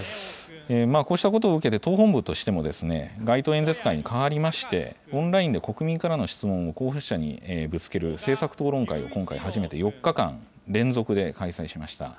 こうしたことを受けて、党本部としても、街頭演説会に代わりまして、オンラインで国民からの質問を候補者にぶつける政策討論会を、今回初めて４日間、連続で開催しました。